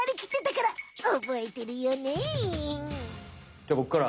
じゃあボクから！